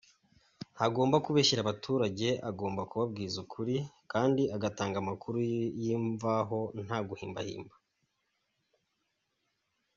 Ntagomba kubeshya abaturage, agomba kubabwiza ukuri kandi agatanga amakuru yimvaho nta guhimbahimba.